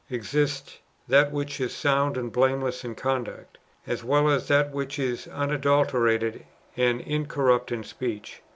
465 exists that wlilcli is sound and blameless in conduct, as well as that which is unadulterated and incorrupt in speech.